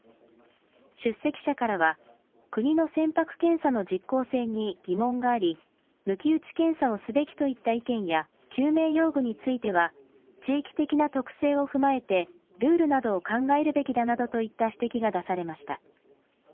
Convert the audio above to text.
出席者からは、国の船舶検査の実効性に疑問があり、抜き打ち検査をすべきといった意見や、救命用具については、地域的な特性を踏まえて、ルールなどを考えるべきだなどといった指摘が出されました。